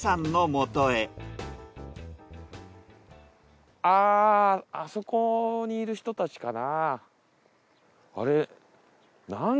まずはあぁあそこにいる人たちかな。